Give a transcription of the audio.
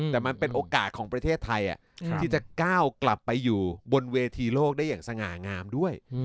แต่มันเป็นโอกาสของประเทศไทยที่จะก้าวกลับไปอยู่บนเวทีโลกได้อย่างสง่างามด้วย